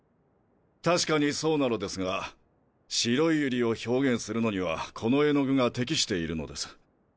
確かにそうなのですが白い百合を表現するのにはこの絵の具が適しているのです。